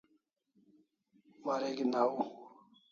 wareg'in au